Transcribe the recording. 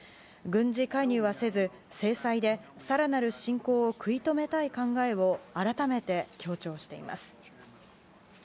軍事介入はせず、制裁で更なる侵攻を食い止めたい考えを改めて強調しています。